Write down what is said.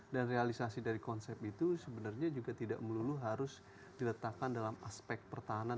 dan realisasi dari konsep itu sebenarnya juga tidak melulu harus diletakkan dalam aspek pertahanan